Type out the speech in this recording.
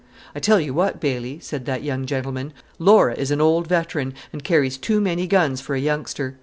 "I tell you what, Bailey," said that young gentleman, "Laura is an old veteran, and carries too many guns for a youngster.